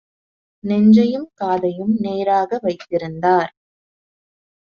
நெஞ்சையும் காதையும் நேராக வைத்திருந்தார்: